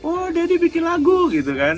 oh deddy bikin lagu gitu kan